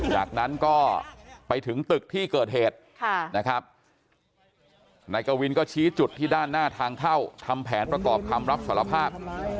จากนั้นก็ไปถึงตึกที่เกิดเหตุนะครับนายกวินก็ชี้จุดที่ด้านหน้าทางเข้าทำแผนประกอบคำรับสารภาพ